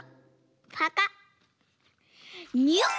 パカッニュッ。